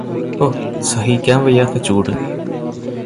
ഹോ! സഹിക്കാൻ വയ്യാത്ത ചൂട്